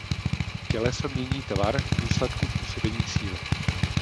Těleso mění tvar v důsledku působení síly.